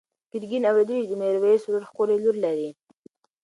ګرګین اورېدلي وو چې د میرویس ورور ښکلې لور لري.